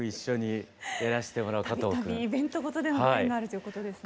度々イベントごとでのご縁があるということですね。